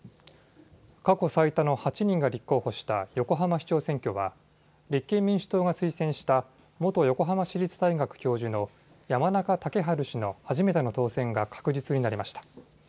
過去最多の８人が立候補した横浜市長選挙は立憲民主党が推薦した元横浜市立大学教授の山中竹春氏の初めての当選が確実になりました。